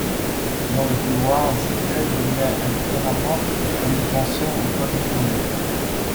Joueur de couloir, Ziege évoluait indifféremment comme défenseur ou comme milieu.